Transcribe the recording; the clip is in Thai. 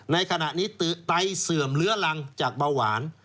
ในขณะนี้ไตเสื่อมเลื้อรังจากเบาหวาน